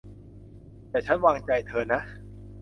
แต่ฉันไว้วางใจเธอนะ